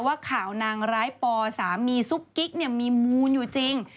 ว่าข่าวนางร้ายปอสามีซุกกิ๊กมีมูลอยู่จริง